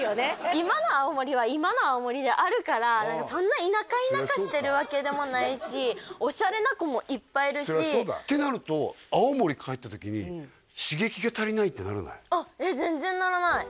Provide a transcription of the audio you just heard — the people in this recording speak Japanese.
今の青森は今の青森であるからそんな田舎田舎してるわけでもないしオシャレな子もいっぱいいるしそりゃそうだってなると青森帰った時に全然ならない